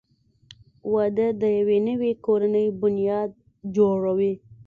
• واده د یوې نوې کورنۍ بنیاد جوړوي.